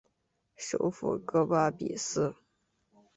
首府戈巴比斯。